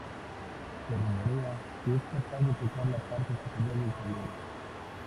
Se rumorea que es capaz de tocar la parte superior del tablero.